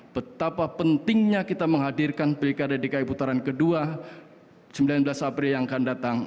betapa pentingnya kita menghadirkan pilkada dki putaran kedua sembilan belas april yang akan datang